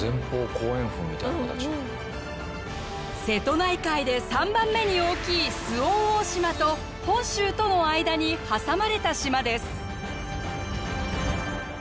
瀬戸内海で３番目に大きい周防大島と本州との間に挟まれた島です。